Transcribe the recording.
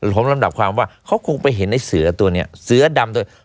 ผมลำดับความว่าเขาคงไปเห็นไอ้เสือตัวนี้เสือดำตัว